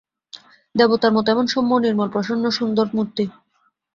দেবতার মতো এমন সৌম্য-নির্মল প্রসন্ন-সন্দুর মূর্তি!